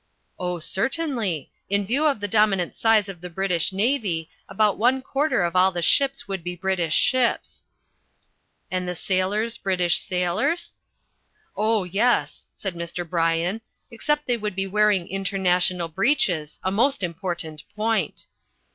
"Oh, certainly. In view of the dominant size of the British Navy about one quarter of all the ships would be British ships." "And the sailors British sailors?" "Oh, yes," said Mr. Bryan, "except that they would be wearing international breeches a most important point."